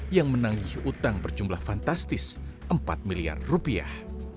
yang menanggih utang berjumlah fantastis empat miliar rupiah